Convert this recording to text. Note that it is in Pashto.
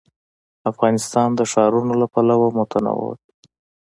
افغانستان د ښارونه له پلوه متنوع دی.